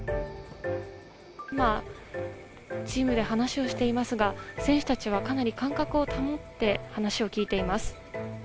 今、チームで話をしていますが、選手たちはかなり間隔を保って話を聞いています。